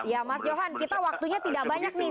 ya mas johan kita waktunya tidak banyak nih